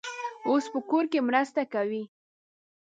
اوس په کور کې مرسته کوي.